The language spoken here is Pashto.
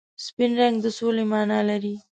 سپین رنګ د سولې مانا لري.